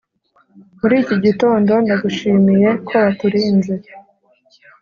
Murikigitondo ndagushimiye ko waturinze